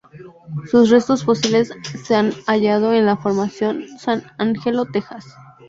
Sus restos fósiles se han hallado en la Formación San Angelo, Texas.